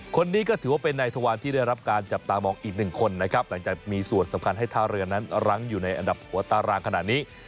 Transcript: คนนี้ก็ถือว่าเป็นนายทวารที่ได้รับการจับตามองอีกหนึ่งคนนะครับหลังจากมีส่วนสำคัญให้ท่าเรือนั้นรั้งอยู่ในอันดับหัวตารางขนาดนี้